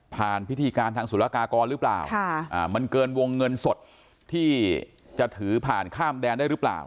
พิธีการทางสุรกากรหรือเปล่ามันเกินวงเงินสดที่จะถือผ่านข้ามแดนได้หรือเปล่า